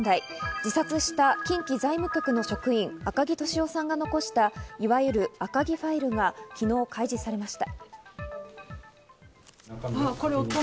自殺した近畿財務局の職員・赤木俊夫さんが残したいわゆる赤木ファイルが昨日、開示されました。